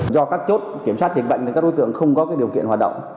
do các chốt kiểm soát dịch bệnh thì các đối tượng không có điều kiện hoạt động